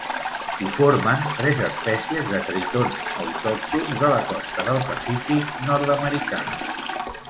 Ho formen tres espècies de tritons autòctons de la costa del Pacífic nord-americà.